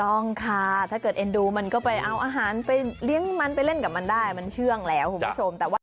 ต้องค่ะถ้าเกิดเอ็นดูมันก็ไปเอาอาหารไปเลี้ยงมันไปเล่นกับมันได้มันเชื่องแล้วคุณผู้ชม